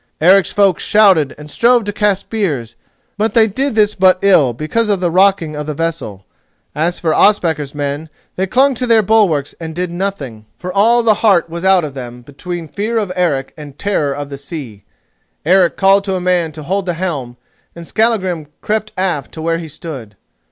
Eric's folk shouted and strove to cast spears; but they did this but ill, because of the rocking of the vessel. As for Ospakar's men, they clung to their bulwarks and did nothing, for all the heart was out of them between fear of Eric and terror of the sea. Eric called to a man to hold the helm, and Skallagrim crept aft to where he stood.